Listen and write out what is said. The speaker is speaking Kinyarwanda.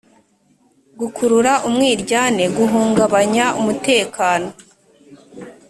gukurura umwiryane guhungabanya umutekano